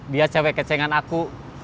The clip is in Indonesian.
dia cewek kecenggan aku